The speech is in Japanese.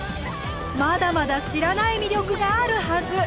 まだまだ知らない魅力があるはず！